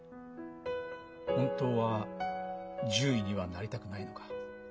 本当は獣医にはなりたくないのか？